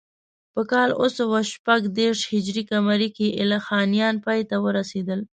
په کال اوه سوه شپږ دېرش هجري قمري کې ایلخانیان پای ته ورسېدل.